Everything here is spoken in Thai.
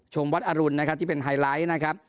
วัดอรุณนะครับที่เป็นไฮไลท์นะครับ